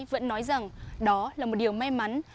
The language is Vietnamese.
vẫn nói rằng đó là một điều may mắn